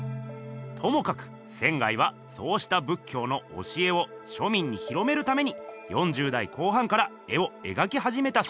ともかく仙はそうした仏教の教えを庶民に広めるために４０代後半から絵をえがきはじめたそうです。